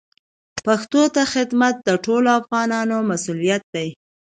پښتو ته خدمت د ټولو افغانانو مسوولیت دی.